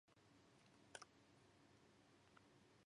オー＝ラン県の県都はコルマールである